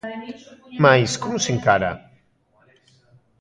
Mais, como se encara?